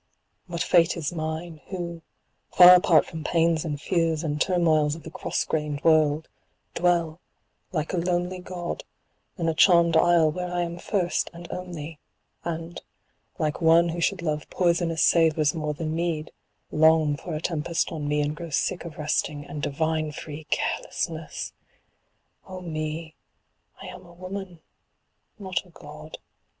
What fate is mine who, far apart from pains and fears and turmoils of the cross grained world, dwell, like a lonely god, in a charmed isle where I am first and only, and, like one who should love poisonous savours more than mead, long for a tempest on me and grow sick of resting, and divine free carelessness! Oh me, I am a woman, not a god; CIRCE.